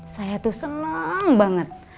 saya tuh seneng banget